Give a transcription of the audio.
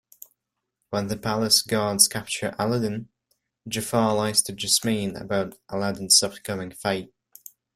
When the palace guards capture Aladdin, Jafar lies to Jasmine about Aladdin's upcoming fate.